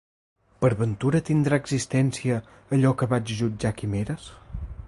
Per ventura tindrà existència allò que vaig jutjar quimeres?